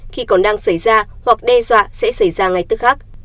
khi còn đang xảy ra hoặc đe dọa sẽ xảy ra ngay tức khác